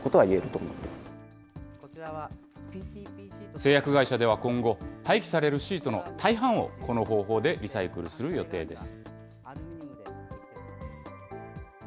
製薬会社では今後、廃棄されるシートの大半をこの方法でリサイクルする予定です。